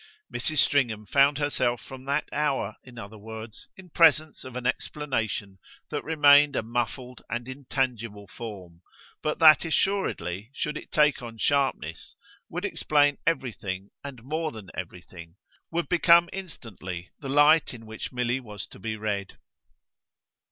Mrs. Stringham found herself from that hour, in other words, in presence of an explanation that remained a muffled and intangible form, but that assuredly, should it take on sharpness, would explain everything and more than everything, would become instantly the light in which Milly was to be read.